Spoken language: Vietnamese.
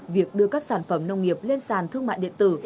việc đưa các sản phẩm nông nghiệp lên sàn thương mại điện tử